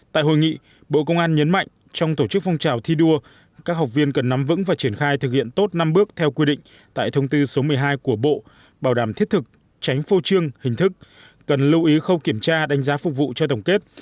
tại hội nghị bộ công an nhấn mạnh trong tổ chức phong trào thi đua các học viên cần nắm vững và triển khai thực hiện tốt năm bước theo quy định tại thông tư số một mươi hai của bộ bảo đảm thiết thực tránh phô trương hình thức cần lưu ý khâu kiểm tra đánh giá phục vụ cho tổng kết